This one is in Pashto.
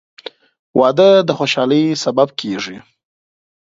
• واده د خوشحالۍ سبب کېږي.